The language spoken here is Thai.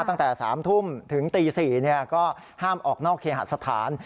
ตั้งแต่๓ทุ่มถึงตี๔ก็ห้ามออกนอกเคหสถาน